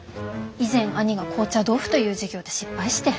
以前兄が紅茶豆腐という事業で失敗して。